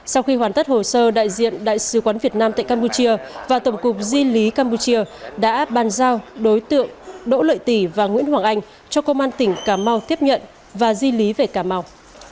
sau khi hoàn tất hồ sơ đại diện đại sứ quán việt nam tại campuchia và tổng cục di lý campuchia đã bàn giao đối tượng đỗ lợi tỷ và nguyễn hoàng anh cho công an tỉnh cà mau tiếp nhận và di lý về cà mau